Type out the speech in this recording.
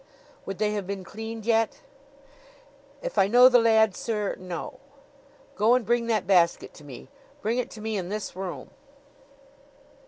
"Would they have been cleaned yet?" "If I know the lad, sir no." "Go and bring that basket to me. Bring it to me in this room."